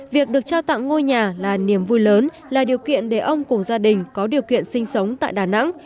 việc được trao tặng ngôi nhà là niềm vui lớn là điều kiện để ông cùng gia đình có điều kiện sinh sống tại đà nẵng